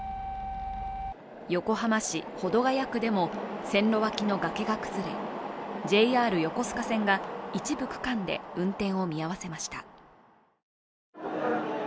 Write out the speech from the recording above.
横浜市保土ケ谷区でも線路脇の崖が崩れ、ＪＲ横須賀線が一部区間で運転を見合わせました。